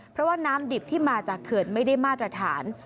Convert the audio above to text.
เพราะว่าน้ำดิบที่มาจากเขื่อนไม่ได้มาตรฐาน